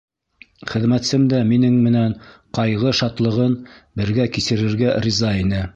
Хеҙмәтсем дә минең менән ҡайғы-шатлығын бергә кисерергә риза ине.